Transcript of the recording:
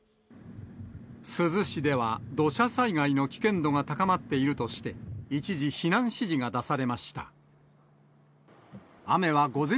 珠洲市では土砂災害の危険度が高まっているとして、一時避難指示が出されました。